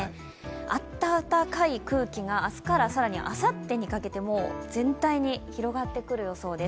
あったかい空気が明日から更にあさってにかけても全体に広がってくる予想です。